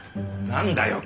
何だよ？